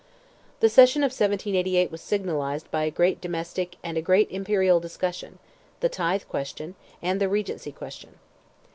The session of 1788 was signalized by a great domestic and a great imperial discussion—the Tithe question, and the Regency question.